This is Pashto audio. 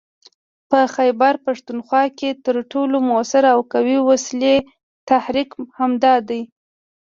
په خيبرپښتونخوا کې تر ټولو موثر او قوي ولسي تحريک همدا دی